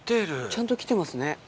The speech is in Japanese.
ちゃんと来てますね。